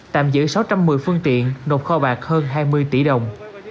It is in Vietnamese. tạm giữ sáu trăm một mươi phương tiện nộp kho bạc hơn hai mươi tỷ đồng